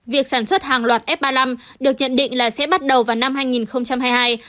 việc sản xuất hàng loạt f ba mươi năm được nhận định là sẽ bắt đầu vào năm hai nghìn hai mươi hai